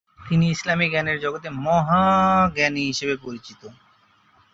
তিনি ইসলামি জ্ঞানের জগতে ‘মহা জ্ঞানী’ হিসেবে পরিচিত।